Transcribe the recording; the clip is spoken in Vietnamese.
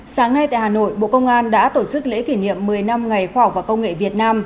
sáng nay tại hà nội bộ công an đã tổ chức lễ kỷ niệm một mươi năm ngày khoa học và công nghệ việt nam